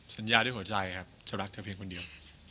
สัญญาด้วยหัวใจครับจะรักเธอเพียงคนเดียว